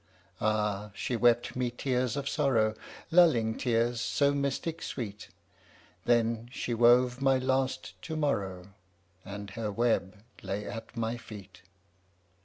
Ah! she wept me tears of sorrow, Lulling tears so mystic sweet; Then she wove my last to morrow, And her web lay at my feet.